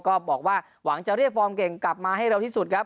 ก็บอกว่าหวังจะเรียกฟอร์มเก่งกลับมาให้เร็วที่สุดครับ